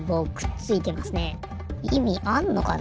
いみあんのかな？